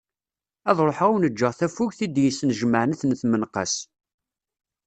Ad ruḥeγ ad awen-ğğeγ tafugt i d yesnejmaԑen at n tmenqas.